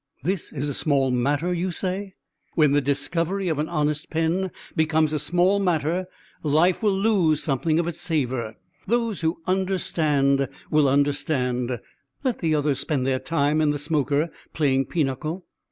This is a small matter, you say? When the discovery of an honest pen becomes a small matter life will lose something of its savour. Those who understand will understand; let the others spend their time in the smoker playing pinochle.